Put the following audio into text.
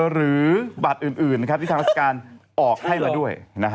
หรือบัตรอื่นที่ทางราชการออกให้มาด้วย